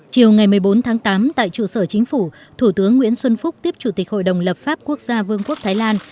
chiều ngày một mươi bốn tháng tám tại trụ sở chính phủ thủ tướng nguyễn xuân phúc tiếp chủ tịch hội đồng lập pháp quốc gia vương quốc thái lan